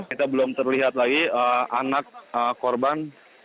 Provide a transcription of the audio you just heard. kita belum terlihat lagi anak korban